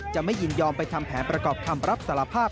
จะไม่ยินยอมไปทำแผนประกอบคำรับสารภาพ